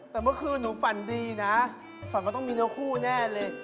แต่เมื่อคืนหนูฝันดีนะฝันว่าต้องมีเนื้อคู่แน่เลย